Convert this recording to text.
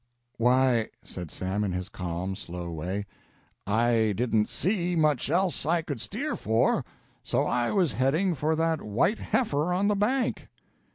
"Why," said Sam in his calm, slow way, "I didn't see much else I could steer for, so I was heading for that white heifer on the bank."